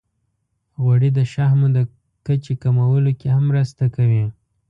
غوړې د شحمو د کچې کمولو کې هم مرسته کوي.